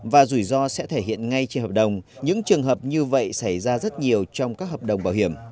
và rủi ro sẽ thể hiện ngay trên hợp đồng những trường hợp như vậy xảy ra rất nhiều trong các hợp đồng bảo hiểm